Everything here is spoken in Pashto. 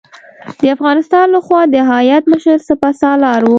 د افغانستان له خوا د هیات مشر سپه سالار و.